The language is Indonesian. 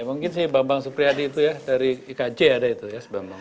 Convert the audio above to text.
mungkin sih bambang supriyadi itu ya dari ikj ada itu ya